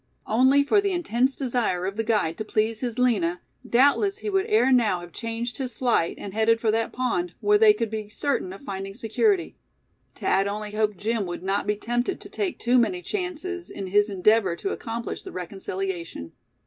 Only for the intense desire of the guide to please his Lina, doubtless he would ere now have changed his flight, and headed for that pond, where they could be certain of finding security. Thad only hoped Jim would not be tempted to take too many chances, in his endeavor to accomplish the reconciliation.